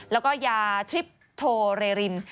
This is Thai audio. แล้วก็ยาทริปโทเรริน